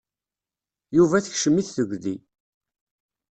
Yuba tekcem-it tegdi.